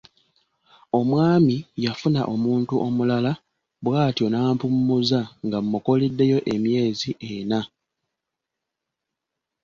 Omwami yafuna omuntu omulala bw'atyo n'ampummuza nga mmukoleddeyo emyezi ena.